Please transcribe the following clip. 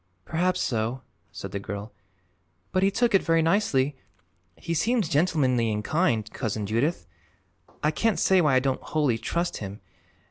"Perhaps so," said the girl. "But he took it very nicely. He seems gentlemanly and kind, Cousin Judith. I can't say why I don't wholly trust him.